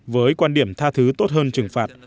với quan điểm tha thứ tốt hơn trừng phạt